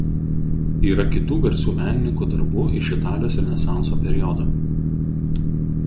Yra kitų garsių menininkų darbų iš Italijos renesanso periodo.